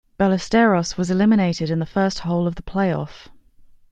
Ballesteros was eliminated in the first hole of the playoff.